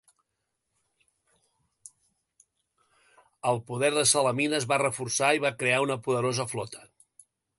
El poder de Salamina es va reforçar i va crear una poderosa flota.